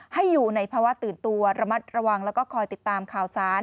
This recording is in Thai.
อยู่ในภาวะตื่นตัวระมัดระวังแล้วก็คอยติดตามข่าวสาร